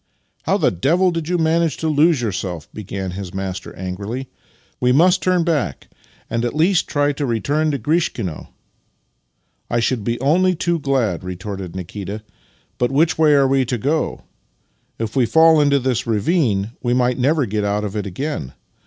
" How the devil did j^ou manage to lose yourself? " began his master, angrily. " We must turn back and at least try to return to Grishkino." " I should be only too glad," retorted Nikita. " But which way are we to go? If we fall into this ravine we might never get out of it again.